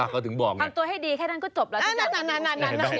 เขาถึงบอกไงทำตัวให้ดีแค่นั้นก็จบแล้ว